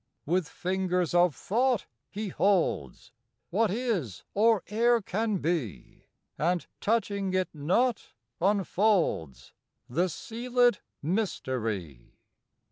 With fingers of thought he holds What is or e'er can be; And, touching it not, unfolds The sealèd mystery.